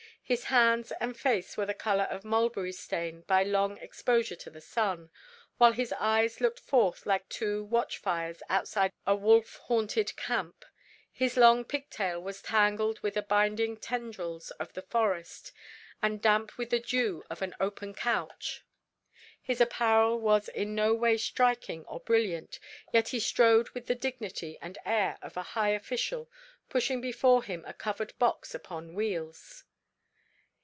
His hands and face were the colour of mulberry stain by long exposure to the sun, while his eyes looked forth like two watch fires outside a wolf haunted camp. His long pigtail was tangled with the binding tendrils of the forest, and damp with the dew of an open couch. His apparel was in no way striking or brilliant, yet he strode with the dignity and air of a high official, pushing before him a covered box upon wheels.